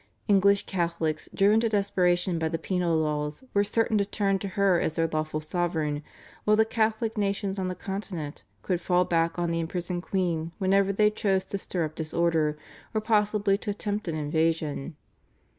English Catholics driven to desperation by the penal laws were certain to turn to her as their lawful sovereign, while the Catholic nations on the Continent could fall back on the imprisoned queen whenever they chose to stir up disorder, or possibly to attempt an invasion.